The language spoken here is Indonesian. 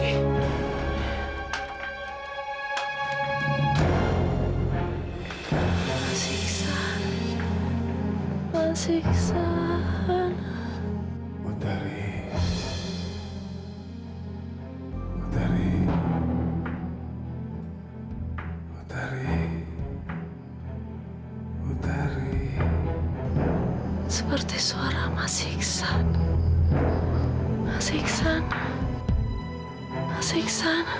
itu benar benar suara mas iksan